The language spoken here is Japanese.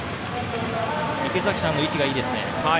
池崎さんの位置がいいですね。